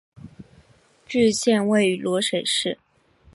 县治位于漯水市。